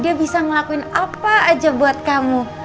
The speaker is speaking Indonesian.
dia bisa ngelakuin apa aja buat kamu